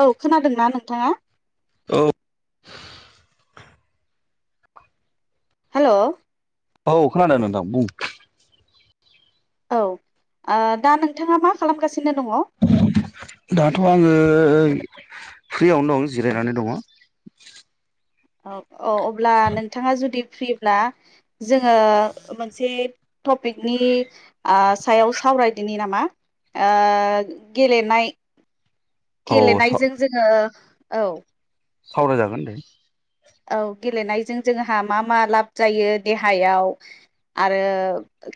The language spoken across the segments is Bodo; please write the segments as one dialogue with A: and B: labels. A: औ खोनादोंना नोंथाङा
B: औ
A: हेलौ,
B: औ खोनादों नोंथां बुं
A: औ दा नोंथाङा मा खालामगासिनो दङ -
B: दाथ' आङो फ्रियावनो दं जिरायनानै दङ
A: औ औ अब्ला नोंथाङा जुदि फ्रि ब्ला जोङो मोनसे टपिकनि सायाव सावरायदिनि नामा गेलेनाय
B: औ
A: गेलेनायजों जोङो औ
B: सावरायजागोन दे
A: औ गेलेनायजों जोंहा मा मा लाब जायो देहायाव आरो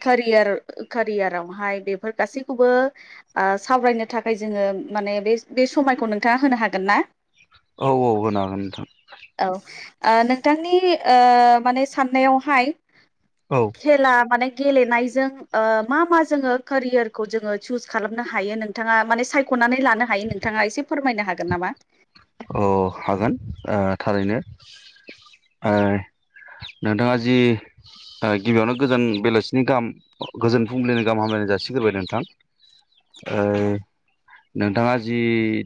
A: केयार केरियारावहाय बेफोर गासैखौबो सावरायनो थाखाय जोङो माने बे बे समायखौ नोंथाङा होनो हागोन ना
B: औ औ होनो हागोन नोंथां
A: औ नोंथांनि माने साननायावहाय
B: औ
A: खेला माने गेलेनायजों मा मा जोङो केरियारखौ जोङो चुज खालामनो हायो नों नोंथाङा माने सायख'नानै लानो हायो नोंथाङा एसे फोरमायनो हागोन नामा
B: अ हागोन थारैनो नोंथाङा जि गिबियावनो गोजोन बेलासिनि गाहाम गोजोन फुंबिलिनि गाहाम हामलायनाय जासिग्रोबाय नोंथां नोंथाङा जि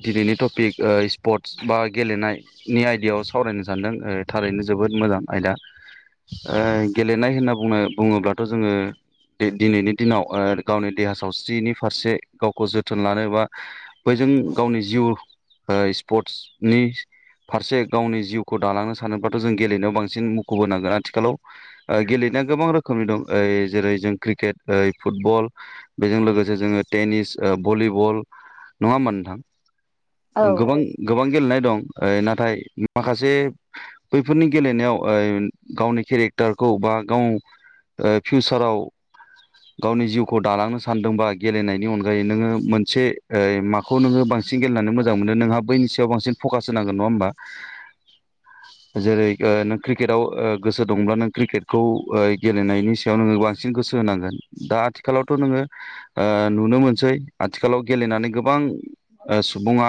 B: दिनैनि टपिक स्पर्ट बा गेलेनायनि आयदायाव सावरायनो सानदों थारैनो जोबोद मोजां आयदा गेलेनाय होनना बुंनो बुङोब्लाथ' जोङो दिनैनि दिनाव गावनि देहा सावस्रिनि फारसे गावखौ जोथोन लानो बा बैजों गावनि जिउ स्पर्टसनि फारसे गावनि जिउखौ दालांनो सानोब्लाथ' जों गेलेनायाव बांसिन मुखुबोनांगोन आथिखालाव गेलेनाया गोबां रोखोमनि दं जेरै जों क्रिकेट फुटबल बेजों लोगोसे जोङो टेनिस भलिबल नङा होमबा नोंथां
A: औ
B: ओं गोबां गोबां गेलेनाय दं ओ-नाथाय माखासे बैफोरनि गेलेनायाव ओय गावनि केरेक्टारखौ बा गाव ओ फिउसाराव गावनि जिउखौ दालांनो सानदोंबा गेलेनायनि अनगायै नोङो मोनसे ओय माख खौ नोङो बांसिन गेलनानै मोजां मोनो नोंहा बैनि सायाव बांसिन फकास होनांगोन नङा होमबा?
A: [inaudible]
B: जेरै ओ नों क्रिकेटाव ओ गोसो दंब्ला नों क्रिकेटखौ ओ गेलेनायनि सायाव नोङो बां बांसिन गोसो होनांगोन दा आथिखालावथ' नोङो नुनो मोनसै आथिखालाव गेलेनानै गोबां सुबुङा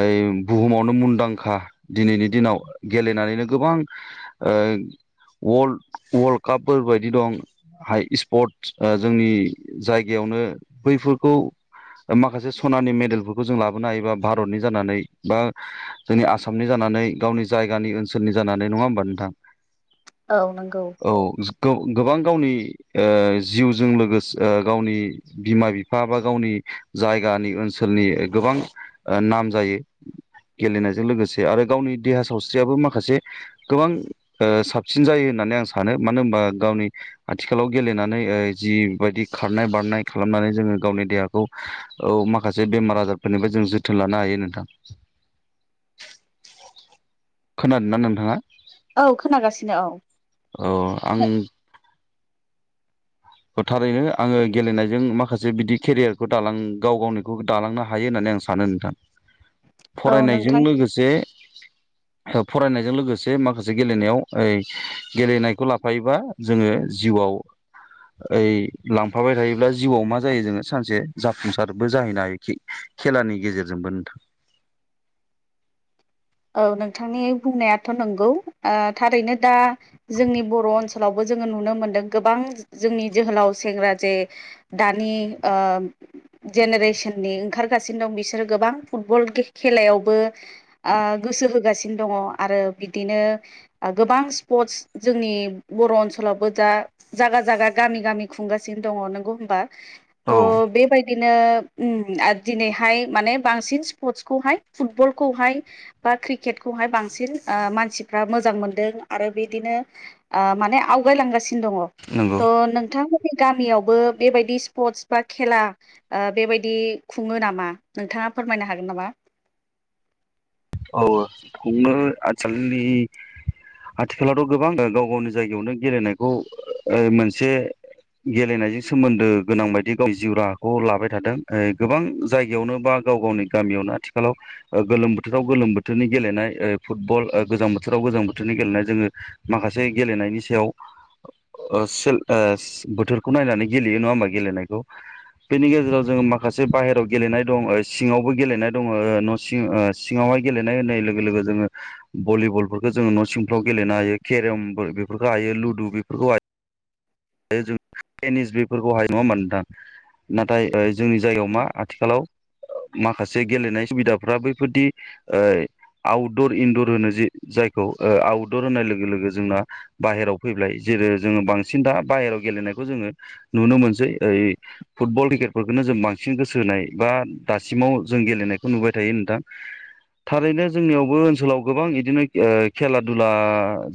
B: ओय बुहुमावनो मुंदांखा दिनैनि दिनाव गेलेनानैनो गोबां ओ वर्ल्ड-वर्ल्डकापफोर बायदि दं हा इस स्पट ओ जोंनि जायगायावनो बैफोरखौ ओ- माखासे सनानि मेडेलफोरखौ जों लाबोनो हायोबा भारतनि जानानै बा जोंनि आसामनि जानानै गावनि जायगानि ओनसोलनि जानानै नङा होमबा नोंथां?
A: औ नंगौ।
B: औ जो गौ गोबां गावनि ओ-जिउजों लोगोस ओ- गावनि बिमा-बिफा बा गावनि जायगानि ओनसोलनि गोबां ओ- नाम जायो। गेलेनायजों लोगोसे आरो गावनि देहा सावस्रियाबो माखासे गोबां ओ-साबसिन जायो होननानै आं सानो मानो होनबा गावनि खालाव गेलेनानै ओ-जिबायायदि खारनाय बारनाय खालामनानै जोङो गावनि देहाखौ औ माखासे बेमार आजारफोरनिबो जों जोथोन लानो हायो नोंथां। खोनादोंना नोंथाङा?
A: औ खोनागासिनो औ।
B: औ आं ओ-थारैनो आङो गेलेनायजों माखासे बिदि केरियारखौ दालां गाव गावनिखौ दालांनो हायो होननानै आं सा सानो नोंथां।
A: [inaudible]
B: फरायनायजों
A: नोंथां
B: लोगोसे फरायनायजों लोगोसे माखासे गेलेनायाव ओय गेलेनायखौ लाफायोबा जोङो जिउआव ओइ लांफाबाय थायोब्ला जिउआव मा जायो जोङो सानसे जाफुंसारबो जाहैनो हायोखि खेलानि गेजेरजोंबो नोंथां।
A: औ नोंथांनि बुंनायाथ' नंगौ ओ थारैनो दा जोंनि बर'ओनसोलावबो जोङो नुनो मोनदों गोबां जोंनि जोहोलाव सेंग्रा जे दानि ओ जेनेरेसननि ओंखारगासिनो दं बिसोरो गोबां फुटबल खे-खेलायावबो ओ-गोसो होगासिनो दङ आरो बिदिनो ओ-गोबां स्पर्टस जोंनि बर ओनसोलावबो दा जागा जागा गामि गामि खुंगासिनो दङ नंगौ होमबा
B: औ
A: थ'- बेबाय बिरनो उम आरो दिनैहाय माने बांसिन स्पर्टसखौहाय फुटबलखौहाय बा क्रिकेटखौहाय बांसिन ओ-मानसिफ्रा मोजां मोनदों आरो बिदिनो ओ-माने आवगायलांगासिनो दङ
B: नंगौ
A: थ नोंथां नि गामियावबो बेबायदि स्पर्टस बा खेला ओ-बेबायदि खुङो नामा नोंथाङा फोरमायनो हागोन नामा?
B: औ खुङो आथखालनि आथिखालावथ' गोबां गाव गावनि जायगायावनो गेलेनायखौ ओ-मोनसे गेलेनायजों सोमोन्दो गोनां बायदि गावनि जिउ राहाखौ लाबाय थादों ओ- गोबां जायगायावनो बा गाव गावनि गामियावनो आथिखालाव ओ-गोलोम बो बोथोराव गोलोम बोथोरनि गेलेनाय ओ-फुटबल ओ- गोजां बोथोराव जों गोजां बोथोरनि गेलेनाय जोङो माखासे गेलेनायनि सायाव बोथोरखौ नायनानै गेलेयो नङा होमबा गेलेनायखौ। बेनि गेजेराव जोंङो माखासे बाहेरायाव गेलेनाय दङ सिङावबो गेलेनाय दङ न' सिं सिङावहाय गेलेनाय होननाय लोगो लोगो जोङो भलिबलफोरखौ जोङो न' सिंफ्राव गेलेनो हायो केरम बेफोरखौ हायो लुदु बेफोरखौ हायो। जों टेनिस बेफोरखौ हायो नङा म नोंथां नाथाय जोंनि जायगायाव मा आथिखालाव माखासे गेलेनाय सुबिदाफ्रा बैफोरदि आउटदर इनदर होनो जे जायखौ ओ-आउटदर होनाय लोगो लोगो जोंना बाहेरायाव फैबाय जेरै जोङो बांसिन दा बाहेरायाव गेलेनायखौ जोङो नुनो मोनसै ओइ फुटबल क्रिकेटफोरखोनो जों बांसिन गोसो होनाय बा दासिमाव जों गेलेनायखौ नुबाय थायो नोंथां। थारैनो जोंनियावबो ओनसोलाव गोबां बिदिनो ओ-खेला दुला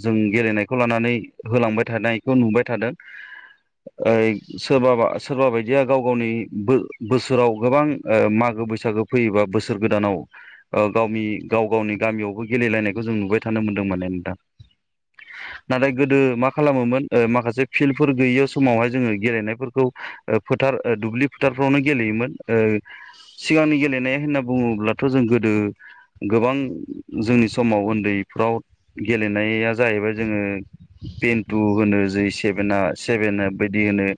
B: जों गेलेनायखौ लानानै होलांबाय थानायखौ नुबाय थादों।
A: [inaudible]
B: ओ-सोरबाबा सोरबा बायदिया गाव गावनि बो-बोसोराव गोबां ओ-मागो बैसागो फैयोबा बोसोर गोदानाव गावनि गाव गावनि गामियावबो गेलेलायनायखौ जों नुबाय थानो मोनदों माने नोंथां। नाथाय गोदो मा खालामोमोन माखासे फिल्डफोर गैयि समावहाय जोङो गेलेनायफोरखौ फोथार दुब्लि फोथारफ्रावनो गेलेयोमोन। सिगांनि गेलेनाय होनना बुङोब्लाथ' जों गोदो गोबां जोंनि समाव उन्दैफ्राव गेलेनाया जाहैबाय जोङो पिन्तु होनो जै सेभेना सेभेन बायदि होनो।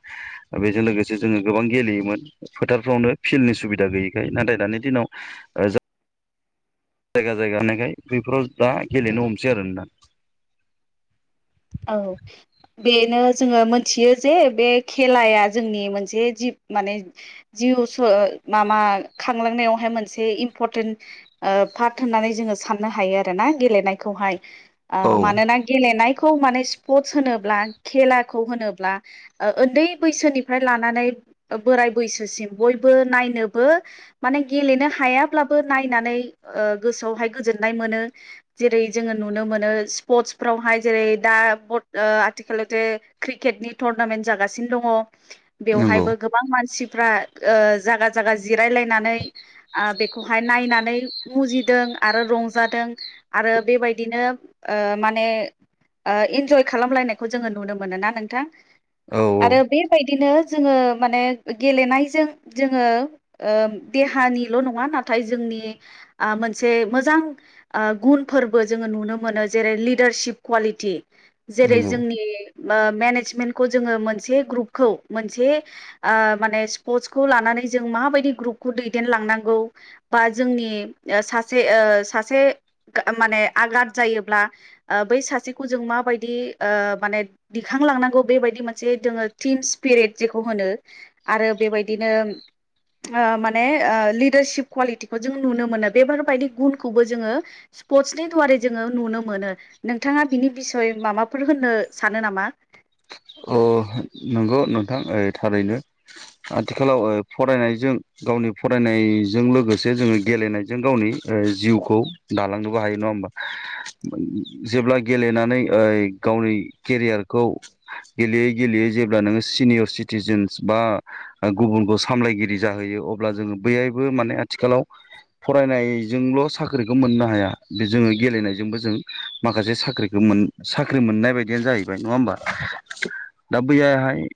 B: बेजों लोगोसे जोङो गोबां गेलेयोमोन। फोथारफ्रावनो फिल्डनि सुबिदा गैयैखाय नाथाय दानि दिनाव जायगा जायगा थानायखाय बैफोराव दा गेलेनो हमसै आरो दा
A: औ बेनो जोङो मोनथियो जे बे खेलाया जोंनि मोनसे जिब माने जिउ माबा खांलांनायावहाय मोनसे इम्परटेन्ट पार्ट होननानै जोङो साननो हायो आरोना गेलेनायखौहाय
B: औ
A: मानोना गेलेनाय खौ माने स्पर्टस होनोब्ला खेलाखौ होनोब्ला उन्दै बैसोनिफ्राय लानानै बोराय बैसोसिम बयबो नायनोबो माने गेलेनो हायाब्लाबो नायनानै गोसोआवहाय गोजोननाय मोनो। जेरै जोङो नुनो मोनो स्पर्टसफ्रावहाय जेरै दा आथिखालावथे क्रिकेटनि टुरनामेन्ट जागासिनो दङ
B: नंगौ
A: बेवहायबो गोबां मानसिफ्रा जागा जागा जिरायलायनानै बे खौहाय नायनानै मुजिदों आरो रंजादों। आरो बेबायदिनो माने इन्जय खालामलायनायखौ जोङो नुनो मोन ना नोंथां
B: औ
A: आरो
B: औ
A: बेबायदिनो जोङो माने गेलेनायजों जोङो देहानिल' नङा नाथाय जोंनि मोनसे मोजां गुनफोरबो जोङो नुनो मोनो जेरै लिडारशिप कुवालिटि जेरै
B: नंगौ
A: जोंनि मेनेजमेन्टखौ जोङो मोनसे ग्रुपखौ मोनसे माने स्पर्टसखौ लानानै जों माबायदि ग्रुपखौ दैदेनलांनांगौ बा जोंनि सासे सासे माने आघाद जायोब्ला बै सासेखौ जों माबायदि माने दिखांलांनांगौ बेबायदि मोनसे जोङो टिम स्पिरिट जेखौ होनो आरो बेबायदिनो माने ओ लिडारशिप कुवालिटिखौ जों नुनो मोनो बेफोरबायदि गुनखौबो जोङो स्पर्टसनि दुवारै जोङो नुनो मोनो नोंथाङा बिनि बिसय माबाफोर होननो सानो नामा?
B: अ नंगौ नोंथां थारैनो आथिखालाव फरायनायजों गावनि फरायनायजों लोगोसे जोङो गेलेनायजों गावनि जिउखौ दालांनोबो हायो नङा होमबा जेब्ला गेलेनानै ओ गावनि केरियारखौ गेलेयै गेलेयै जेब्ला नोङो सिनियर सिटिजेन्स बा ओ गुबुनखौ सामलायगिरि जाहैयो अब्ला जोङो बैहायबो माने आथिखालाव फरायनायजोंल' साख्रिखो मोननो हाया बे जोङो गेलेनायजोंबो जों माखासे साख्रिखो मोन साख्रि मोननाय बायदिआ जाहैबाय नङा होमबा। दा बैयाहाय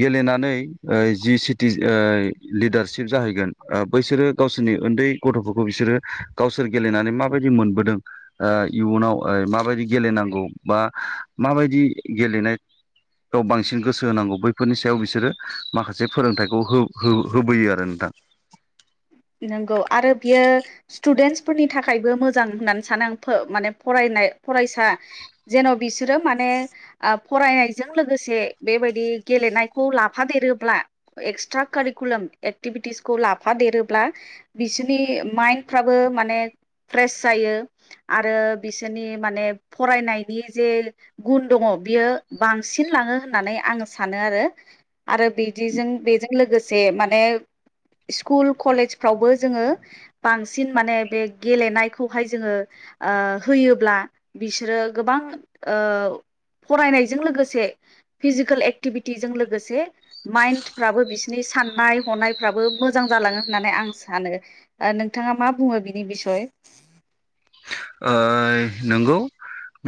B: गेलेनानै ओ जि सिटि ओ लिडारशप जाहैगोन। ओ बैसोरो गावसोरनि उन्दै गथ'फोरखौ बिसोरो गावसोर गेलेनानै माबायदि मोनबोदों ओ इयुनाव माबायदि गेलेनांगौ बा माबायदि गेलेनाय बेयाव बांसिन गोसो होनांगौ बैफोरनि सायाव बिसोरो माखासे फोरोंथाइखौ हो-हो-होबोयो आरो नोंथां।
A: नंगौ आरो बियो स्टुडेन्टसफोरनि थाखायबो मोजां होननानै सानो आं माने फरायनाय फरायसा जेन' बिसोरो माने आ फरायनायजों लोगोसे बेबायदि गेलेनायखौ लाफादेरोब्ला एक्सट्रा कारिकुलाम एक्टिभिटिसखौ लाफा देरो ब्ला बिसोरनि माइन्दफ्राबो माने प्रेस जायो आरो बिसोरनि माने फरायनायनि जे गुन दङ बियो बांसिन लाङो होननानै आं सानो आरो। आरो बिदिजों बेजों लोगोसे माने स्किुल कलेजफ्रावबो जोङो बांसिन माने बे गेलेनायखौहाय जोङो ओ होयोब्ला बिसोरो गोबां ओ फरायनायजों लोगोसे फिजिकेल एक्टिभिटिजों लोगोसे माइन्दफ्राबो बिसोरनि साननाय हनायफ्राबो मोजां जालाङो होननानै आं सानो ओ नोंथाङा मा बुङो बिनि बिसय?
B: ओयै नंगौ।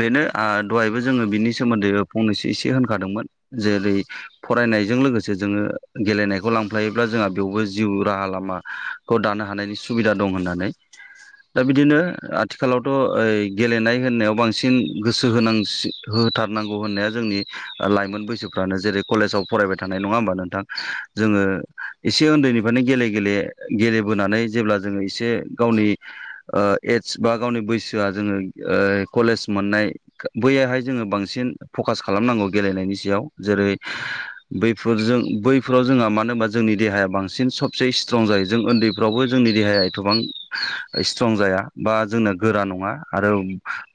B: बेनो ओ दहायबो जोङो बिनि सोमोन्दै फंनैसो ओ एसे होनखादोंमोन जेरै फरायनायजों लोगोसे जोङो गेलेनायखौ लांफ्लायोब्ला जोंहा बेयावबो जिउ राहा लामा खौ दानो हानायनि सुबिदा दं होननानै दा बिदिनो आ थिखालावथ' ओ गेलेनाय होननायाव बांसिन गोसो होनांसि होथारनांगौ होन्नाया जोंनि ओ लाइमोन बैसोफ्रानो जेरै कलेजाव फरायबाय थानाय नङा होमबा नोंथां? जोङो एसे उन्दैनिफ्रायनो गेले गेले गेलेबोनानै जेब्ला जोङो एसे गावनि ओ एडस बा गावनि बैसोआ जोङो ओ कलेज मोननाय बैयाहाय जोङो बांसिन फकास खालामनांगौ गेलेनायनि सायाव जेरै बैफोरजों बैफोराव जोंहा मानो होनबा जोंनि देहाया बांसिन सबसे स्ट्रं जायो जों ओन्दै फ्रावबो जोंनि देहाया एथबां स्ट्रं जाया। बा जोंना गोरा नङा आरो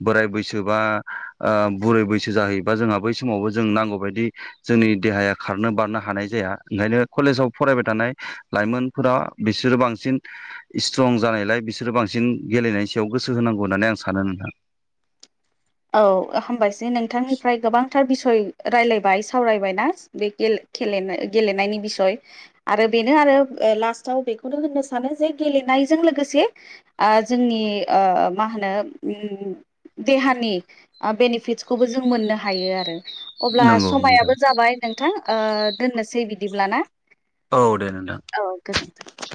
B: बोराय बैसो बा ओ बुरै बैसो जाहै बा जोंहा बै समावबो जों नांगौ बायदि जोंनि देहाया खारनो बारनो हानाय जाया ओंखायनो कलेजाव फरायबाय थानाय लाइमोन फोर बिसोरो बांसिन स्ट्रं जानायलाय बिसोरो बांसिन गेलेनायनि सायाव गोसो होनांगौ होन्नानै आं सानो नोंथां।
A: औ हबासै नोंथांनिफ्राय गोबांथार बिसय रायलायबाय सावरायबाय ना। बेे गेल खेले गेलेनायनि बिसय। आरो बेनो आरो लास्टाव बेखौनो होननो सानो जे गेलेनायजों लोगोसे ओ जोंनि ओ मा होनो उम देहानि ओ बेनिफिटसखौबो जों मोननो हायो आरो अब्ला
B: नंगौ नोंथां
A: समायाबो जाबाय नों थां दोननोसै बिदिब्लाना?
B: औ दे नोंथां।
A: औ गोजोन्थों।